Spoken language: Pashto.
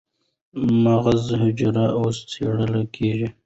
مغزي حجرې اوس څېړل کېږي.